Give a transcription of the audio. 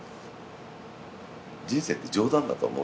人生って冗談だと思うよ